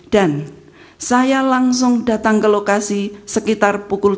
dan saya langsung datang ke lokasi sekitar pukul tiga belas tiga